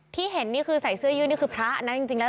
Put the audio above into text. ที่เห็นใส่เสื้อยืดนี่คือพระนั่นจริงแล้ว